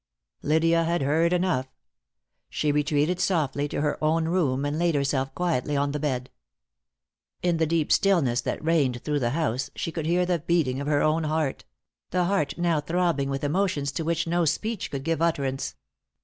Lydia had heard enough. She retreated softly to her own room, and laid herself quietly on the bed. In the deep stillness that reigned through the house, she could hear the beating of her own heart the heart now throbbing with emotions to which no speech could give utterance.